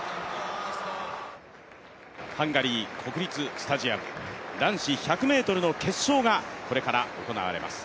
ハンガリー国立スタジアム、男子１００ｍの決勝がこれから行われます。